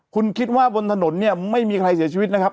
คุณคิดว่าบนถนนเนี่ยไม่มีใครเสียชีวิตนะครับ